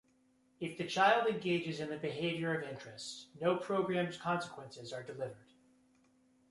If the child engages in the behavior of interest, no programmed consequences are delivered.